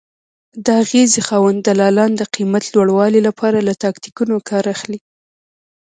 د اغېزې خاوند دلالان د قیمت لوړوالي لپاره له تاکتیکونو کار اخلي.